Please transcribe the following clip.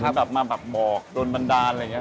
แบบมาแบบบอกโดนบันดาลอะไรอย่างนี้